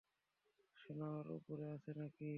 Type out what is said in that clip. সোনা, ওরা উপরে আছে নাকি?